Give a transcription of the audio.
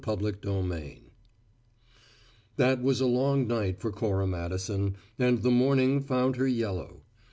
CHAPTER TWENTY ONE That was a long night for Cora Madison, and the morning found her yellow.